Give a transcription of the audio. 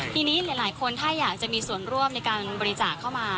ทีนี้หลายคนถ้าอยากจะมีส่วนร่วมในการบริจาคเข้ามา